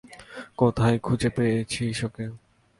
কোথায় খুঁজে পেয়েছিস ওকে?